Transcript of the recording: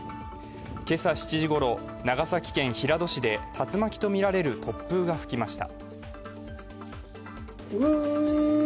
今朝７時ごろ、長崎県平戸市で竜巻とみられる突風が吹きました。